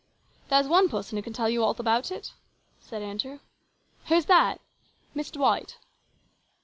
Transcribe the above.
" There's one person can tell you all about it," said Andrew. " Who's that ?" "Miss D wight."